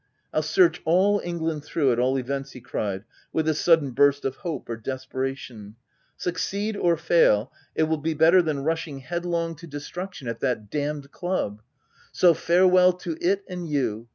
— I'll search all England through, at all events !' he cried, with a sudden burst of hope, or desperation. ' Succeed or fail, it will be better than rushing headlong to destruction OF WILDFELL HALL, 53 at that d d club : so farewell to it and you.